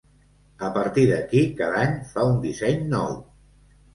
A partir d’aquí, cada any fa un disseny nou.